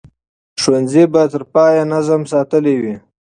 ښوونځي به تر پایه نظم ساتلی وي.